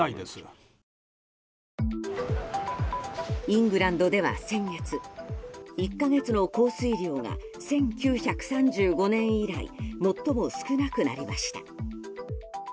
イングランドでは先月１か月の降水量が１９３５年以来最も少なくなりました。